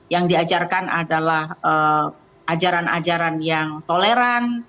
yang diajarkan adalah ajaran ajaran yang toleran